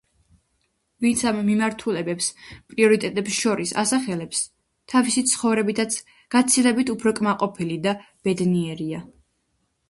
ვინც ამ მიმართულებებს პრიორიტეტებს შორის ასახელებს, თავისი ცხოვრებითაც გაცილებით უფრო კმაყოფილი და ბედნიერია.